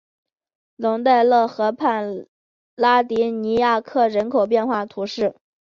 龙代勒河畔拉迪尼亚克人口变化图示